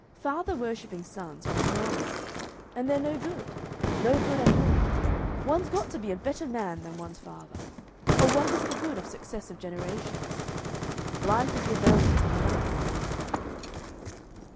Father worshipping sons are abnormal and they're no good. No good at all. One's got to be a better man than one's father, or what is the good of successive generations? Life is rebellion, or nothing."